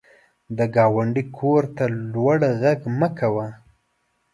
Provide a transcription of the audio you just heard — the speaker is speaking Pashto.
د ګاونډي کور ته لوړ غږ مه کوه